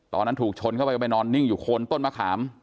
ตอนนั้นถูกชนเข้าไปไปนอนนิ่งอยู่โคนต้นมะขาม